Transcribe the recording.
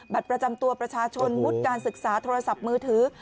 ประจำตัวประชาชนวุฒิการศึกษาโทรศัพท์มือถือ